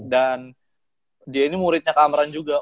dan dia ini muridnya kak amran juga